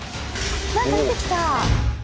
何か出てきた！